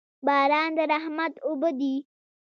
باران د رحمت اوبه دي.